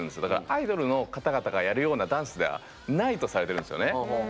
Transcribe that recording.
だからアイドルの方々がやるようなダンスではないとされてるんですよね。